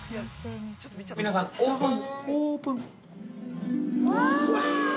◆皆さん、オープン！